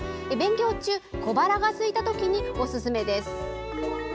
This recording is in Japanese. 勉強中、小腹がすいたときにおすすめです。